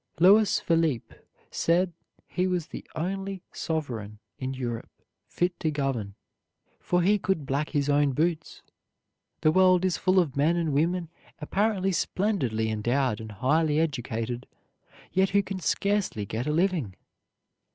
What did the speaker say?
Louis Philippe said he was the only sovereign in Europe fit to govern, for he could black his own boots. The world is full of men and women apparently splendidly endowed and highly educated, yet who can scarcely get a living.